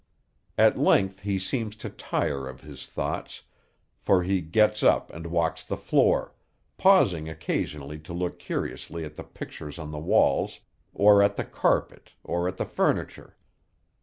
At length he seems to tire of his thoughts, for he gets up and walks the floor, pausing occasionally to look curiously at the pictures on the walls, or at the carpet, or at the furniture.